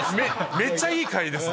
めっちゃいい回ですね。